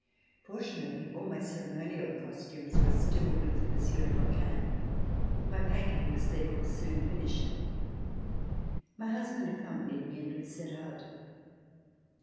Fortunately, all my ceremonial costumes were still with Monsieur de Brouquens. My packing was therefore soon finished. My husband accompanied me and we set out.